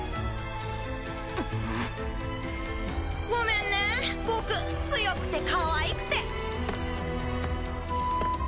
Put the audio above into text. ごめんねぇ僕強くてかわいくて。